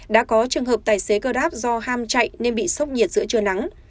đã có trường hợp tài xế grab do ham chạy nên bị sốc nhiệt giữa trưa nắng